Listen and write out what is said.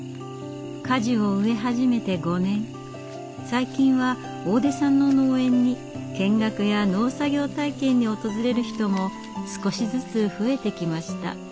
最近は大出さんの農園に見学や農作業体験に訪れる人も少しずつ増えてきました。